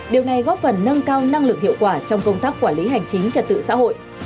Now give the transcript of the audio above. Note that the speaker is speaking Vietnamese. điều này góp phần nâng cao năng lực hiệu quả trong công tác quản lý hành chính trật tự xã hội